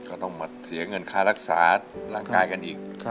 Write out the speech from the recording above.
ก็ต้องมาเสียเงินค่ารักษาร่างกายกันอีก